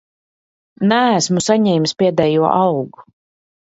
Neesmu saņēmis pēdējo algu.